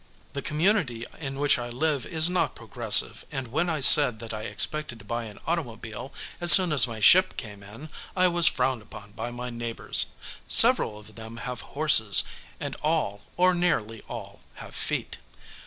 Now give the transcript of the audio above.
The community in which I live is not progressive, and when I said that I expected to buy an automobile as soon as my ship came in I was frowned upon by my neighbors. Several of them have horses, and all, or nearly all, have feet.